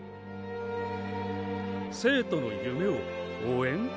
生徒の夢を応援？